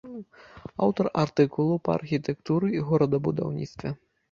Аўтар артыкулаў па архітэктуры і горадабудаўніцтве.